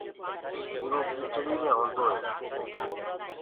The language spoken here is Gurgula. هيٚرو ڪيٚچڙي مي هونٚدوئي